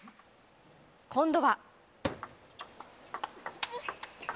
今度は。